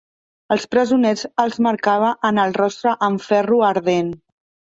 Als presoners els marcava en el rostre amb ferro ardent.